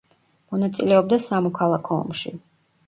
მონაწილეობდა სამოქალაქო ომში.